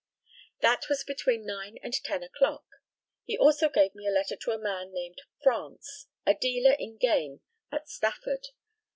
] That was between nine and ten o'clock. He also gave me a letter to a man named France, a dealer in game at Stafford.